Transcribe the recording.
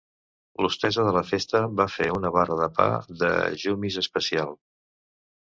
L' hostessa de la festa va fer una barra de pa de Jumis especial.